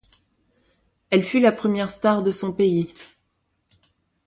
Elle fut la première star de son pays.